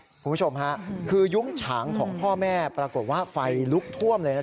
คุณผู้ชมค่ะคือยุ้งฉางของพ่อแม่ปรากฏว่าไฟลุกท่วมเลยนะ